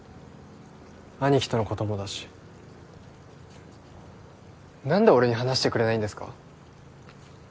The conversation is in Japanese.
兄貴とのこともだし何で俺に話してくれないんですか？